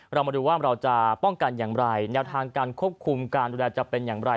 เรามาดูว่าเราจะป้องกันอย่างไรแนวทางการควบคุมการดูแลจะเป็นอย่างไร